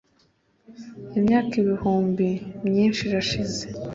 imyaka ibihumbi byinshi irashize